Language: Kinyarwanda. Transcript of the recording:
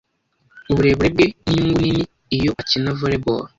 Uburebure bwe ninyungu nini iyo akina volley ball.